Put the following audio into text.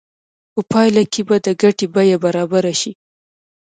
په پایله کې به د ګټې بیه برابره شي